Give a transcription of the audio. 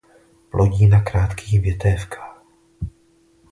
Plodí na krátkých větévkách.